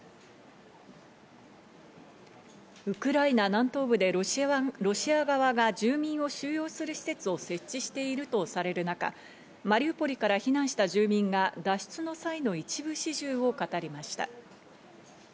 ウクライナ南東部でロシア側が住民を収容する施設を設置しているとされる中、マリウポリから避難した住民が脱出の際の一部始終を語りました。